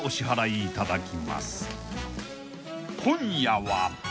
［今夜は］